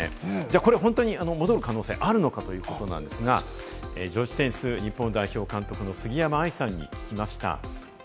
これが本当に戻る可能性があるのかということですけれども、女子テニス日本代表監督の杉山愛さんに聞きました。